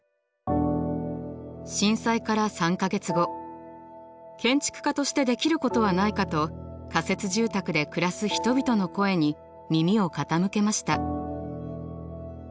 震災から３か月後建築家としてできることはないかと仮設住宅で暮らす人々の声に耳を傾けました。